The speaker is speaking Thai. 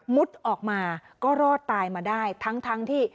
มุดออกมาก็รอดตายมาได้